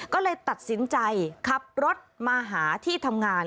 ก็เลยตัดสินใจขับรถมาหาที่ทำงาน